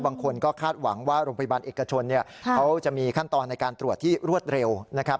บางคนก็คาดหวังว่าโรงพยาบาลเอกชนเขาจะมีขั้นตอนในการตรวจที่รวดเร็วนะครับ